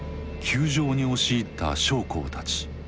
宮城に押し入った将校たち。